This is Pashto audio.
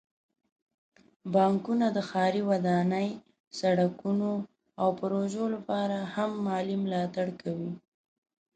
بانکونه د ښاري ودانۍ، سړکونو، او پروژو لپاره هم مالي ملاتړ کوي.